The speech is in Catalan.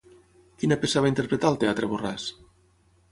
Quina peça va interpretar al teatre Borràs?